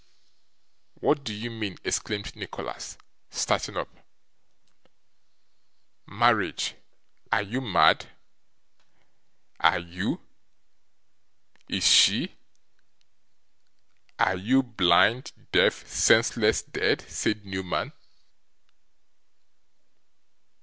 'What do you mean?' exclaimed Nicholas, starting up; 'marriage! are you mad?' 'Are you? Is she? Are you blind, deaf, senseless, dead?' said Newman.